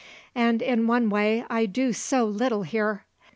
And in one way I do so little here.